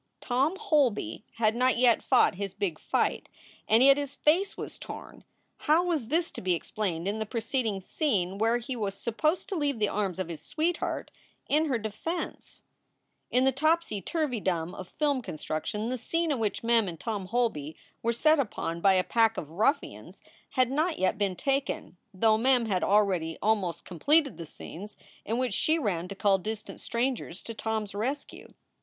Tom Holby had not yet fought his big fight, and yet his face was torn. How was this to be explained in the preceding scene where he was supposed to leave the arms of his sweetheart in her defense ? In the topsy turvydom of film construction the scene in which Mem and Tom Holby were set upon by a pack of ruffians had not yet been taken, though Mem had already almost completed the scenes in which she ran to call distant strangers to Tom s rescue.